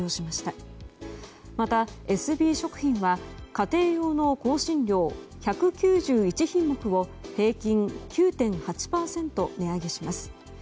またヱスビー食品は家庭用の香辛料１９１品目を平均９．８％値上げします。